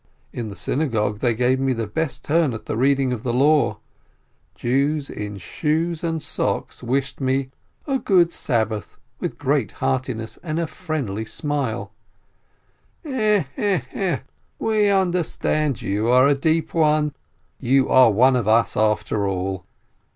In the synagogue they gave me the best turn at the Reading of the Law ; Jews in shoes and socks wished me "a good Sabbath" with great heartiness, and a friendly smile: "Eh eh eh ! We understand — you are a deep one — you are one of us after all."